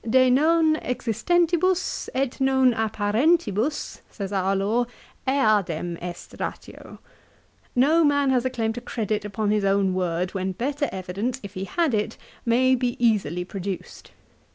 De non existentibus et non apparentibus, says our law, eadem est ratio. No man has a claim to credit upon his own word, when better evidence, if he had it, may be easily produced.